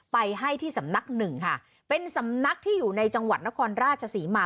ไปให้ที่สำนักหนึ่งค่ะเป็นสำนักที่อยู่ในจังหวัดนครราชศรีมา